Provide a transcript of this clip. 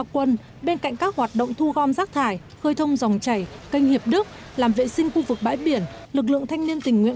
kênh hiệp đức làm vệ sinh khu vực bãi biển lực lượng thanh niên tình nguyện